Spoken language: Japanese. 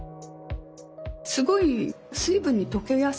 すごい水分に溶けやすいんで。